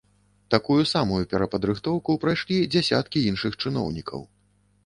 Такую самую перападрыхтоўку прайшлі дзясяткі іншых чыноўнікаў.